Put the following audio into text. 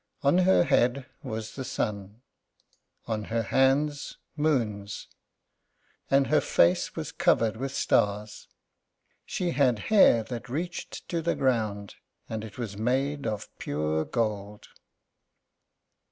On her head was the sun; on her hands, moons; and her face was covered with stars. She had hair that reached to the ground, and it was made of pure gold.